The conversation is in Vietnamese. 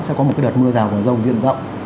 sẽ có một cái đợt mưa rào của rông diện rộng